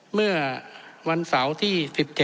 เมื่อวันเสาร์ที่๑๗